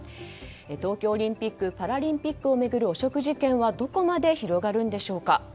東京オリンピック・パラリンピックを巡る汚職事件はどこまで広がるんでしょうか。